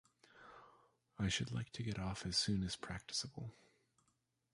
I should like to get off as soon as practicable.